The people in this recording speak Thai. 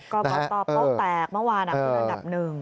ก็บอกตอบต้องแตกเมื่อวานอันดับหนึ่ง